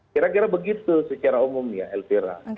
kira kira begitu secara umum ya elvira